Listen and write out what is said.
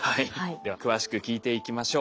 では詳しく聞いていきましょう。